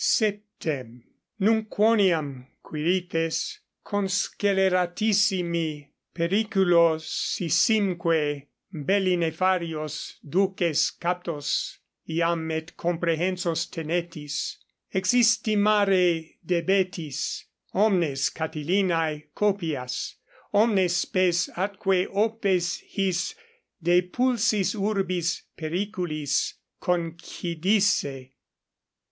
_ =7.= Nunc quoniam, Quirites, consceleratissimi periculosissimique 16 belli nefarios duces captos iam et comprehensos tenetis, existimare debetis, omnes Catilinae copias, omnes spes atque opes his depulsis urbis periculis concidisse.